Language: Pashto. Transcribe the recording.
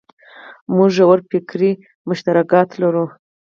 موږ ژور فکري مشترکات لرو.